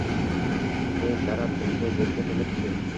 হেই, তারা তোকে দেখে ফেলবে!